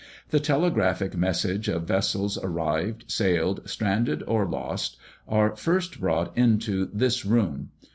The telegraphic messages of vessels arrived, sailed, stranded, or lost, are first brought into this room.